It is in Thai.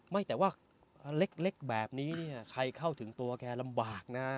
ไม่แต่ว่าเล็กแบบนี้เนี่ยใครเข้าถึงตัวแกลำบากนะ